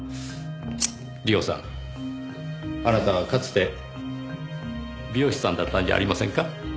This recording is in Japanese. リオさんあなたはかつて美容師さんだったんじゃありませんか？